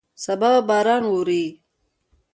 سبا به باران ووري.